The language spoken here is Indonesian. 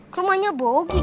ke rumahnya bogi